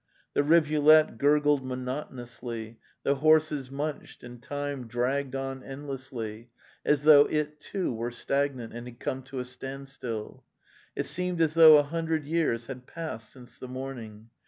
The rivulet gurgled monotonously, the horses munched, and time dragged on endlessly, as though it, too, were stagnant and had come to a standstill. It seemed as though a hundred years had passed since the morning.